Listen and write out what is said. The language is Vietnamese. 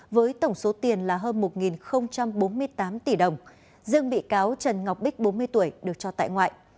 với tổng số tiền là hơn một bốn mươi tám tỷ đồng dương bị cáo trần ngọc bích bốn mươi tuổi được cho tại ngoại